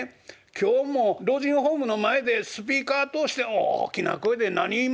今日も老人ホームの前でスピーカー通して大きな声で何言いました？」。